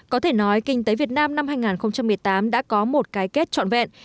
có thể nói kinh tế việt nam năm hai nghìn một mươi tám đã có một cái kết trọn vẹn